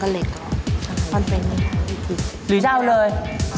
หรือจะเอาเลย